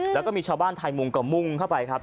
แล้วก็มีชาวบ้านไทยมุงก็มุ่งเข้าไปครับ